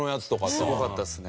すごかったですね。